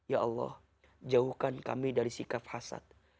ya allah jauhkan kami dari sikap hasad